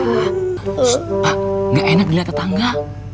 shhh pak gak enak dilihat tetangga